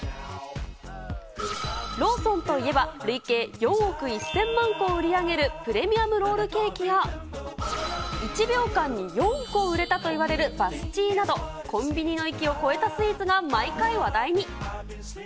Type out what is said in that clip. ローソンといえば、累計４億１０００万個を売り上げるプレミアムロールケーキや、１秒間に４個売れたといわれるバスチーなど、コンビニの域を超えたスイーツが毎回話題に。